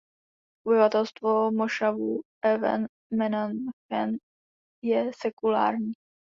Obyvatelstvo mošavu Even Menachem je sekulární.